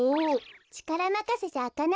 ちからまかせじゃあかないのよ。